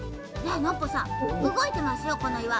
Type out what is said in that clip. ノッポさんうごいてますよこのいわ。